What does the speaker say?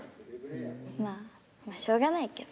まあしょうがないけど。